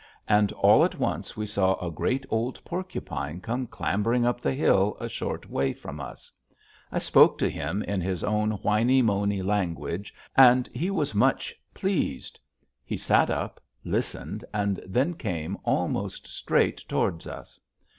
And all at once we saw a great old porcupine come clambering up the hill a short way from us. I spoke to him in his own whiny moany language and he was much pleased; he sat up, listened, and then came almost straight toward us.